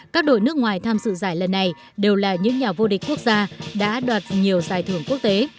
các đội nước ngoài tham dự giải lần này đều là những nhà vô địch quốc gia đã đoạt nhiều giải thưởng quốc tế